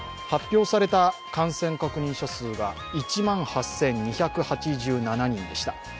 発表された感染確認者数が１万８２８７人でした。